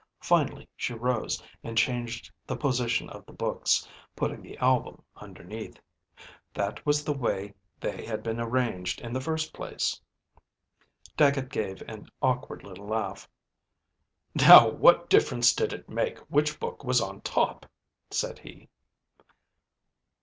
Finally she rose and changed the position of the books, putting the album underneath. That was the way they had been arranged in the first place. Dagget gave an awkward little laugh. " Now what difference did it make which book was on top?" said he.